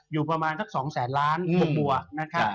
อยู่ประมาณสัก๒แสนล้านบวกนะครับ